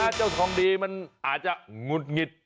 แต่แม้เจ้าทองดีอาจจะหงุดหงิด